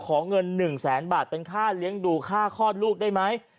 ขอเงิน๑แสนบาทเป็นค่าเลี้ยงดูค่าคลอดลูกได้ไหม